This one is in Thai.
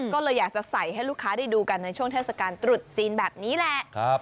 ก็เลยอยากจะใส่ให้ลูกค้าได้ดูกันในช่วงเทศกาลตรุษจีนแบบนี้แหละ